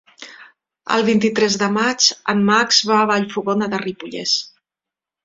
El vint-i-tres de maig en Max va a Vallfogona de Ripollès.